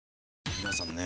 皆さんね